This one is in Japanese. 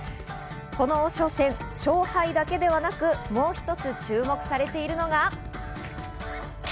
この王将戦、勝敗だけではなく、もう一つ注目されているのが。